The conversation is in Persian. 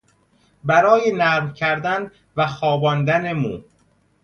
برای نرم کردن و خواباندن مو